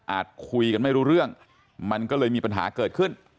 คุยกันไม่รู้เรื่องมันก็เลยมีปัญหาเกิดขึ้น